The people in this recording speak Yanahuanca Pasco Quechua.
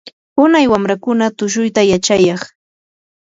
unay wamrakuna tushuyta yachayaq.